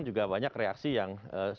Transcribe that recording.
juga banyak reaksi yang